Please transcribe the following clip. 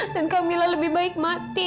dan kak mila lebih baik mati